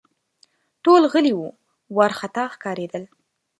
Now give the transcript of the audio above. ټول غلي وه ، وارخطا ښکارېدل